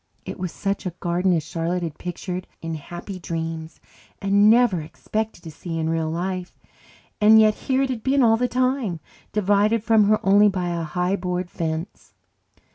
It was such a garden as Charlotte had pictured in happy dreams and never expected to see in real life. And yet here it had been all the time, divided from her only by a high board fence.